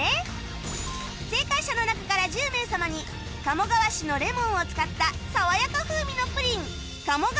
正解者の中から１０名様に鴨川市のレモンを使ったさわやか風味のプリン鴨川